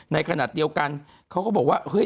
ในขณะเดียวกันเขาก็บอกว่าเฮ้ย